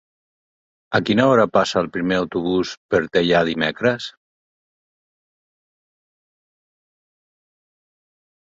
A quina hora passa el primer autobús per Teià dimecres?